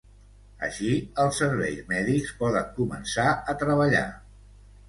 Així, els serveis mèdics poden començar a treballar.